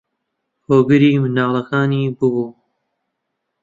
هۆگری منداڵەکانی بووبوو